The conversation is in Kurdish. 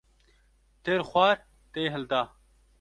Têr xwar tê hilda